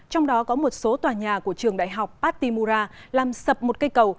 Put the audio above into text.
trong đó có một số tòa nhà của trường đại học patimura làm sập một cây cầu